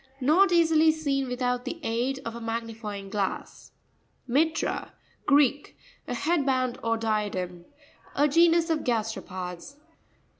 Not easily seen with out the aid of a magnifying glass. Mi'rra.—Greek. A head band, or diadem. A genus of gasteropods.